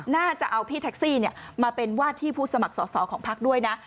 น่าจะเอาพี่แท็กซี่มาเป็นวาดที่ผู้สมัครสอสอของพักด้วยนะ